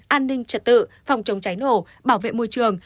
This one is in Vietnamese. an ninh trật tự phòng chống cháy nổ bảo vệ môi trường